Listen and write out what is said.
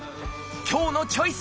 今日の「チョイス」